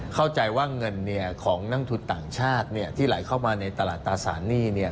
เข้าใจว่าเงินของนักทุนต่างชาติที่ไหลเข้ามาในตลาดตราสารหนี้